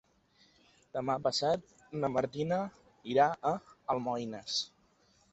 Demà passat na Martina irà a Almoines.